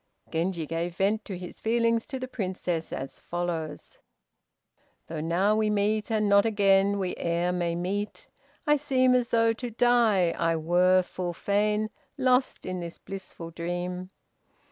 Genji gave vent to his feelings to the Princess, as follows: "Though now we meet, and not again We e'er may meet, I seem As though to die, I were full fain Lost in this blissful dream."